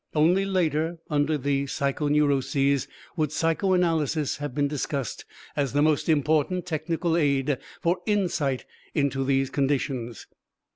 Only later, under the psychoneuroses, would psychoanalysis have been discussed as the most important technical aid for insight into these conditions.